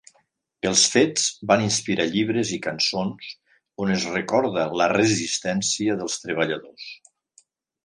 Els fets van inspirar llibres i cançons on es recorda la resistència dels treballadors.